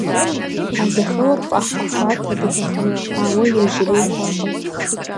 А зэхэуэр фӏахьэхуат адыгэхэм, ауэ иужьрей хъуакъым.